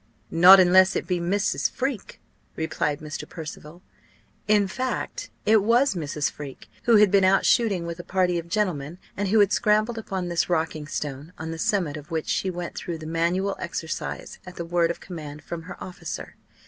"Not unless it be Mrs. Freke," replied Mr. Percival. In fact it was Mrs. Freke, who had been out shooting with a party of gentlemen, and who had scrambled upon this rocking stone, on the summit of which she went through the manual exercise at the word of command from her officer.